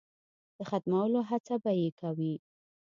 د ختمولو هڅه به یې کوي.